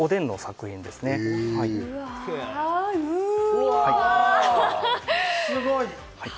すごい！